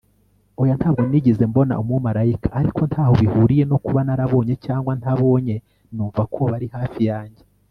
oya, ntabwo nigeze mbona umumarayika, ariko ntaho bihuriye no kuba narabonye cyangwa ntabonye numva ko bari hafi yanjye